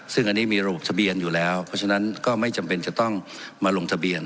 ซึ่งอันนี้มีระบบทะเบียนอยู่แล้วเพราะฉะนั้นก็ไม่จำเป็นจะต้องมาลงทะเบียน